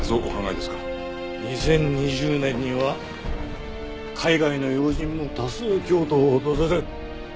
２０２０年には海外の要人も多数京都を訪れる。